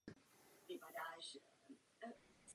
Byl nalezen hlavně uran a draslík.